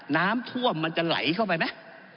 น้ำท่วมมันจะไหลเข้าไปไหม